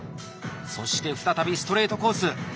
そして再びストレートコース。